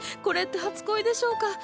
これって初恋でしょうか？